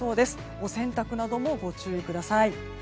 お洗濯などもご注意ください。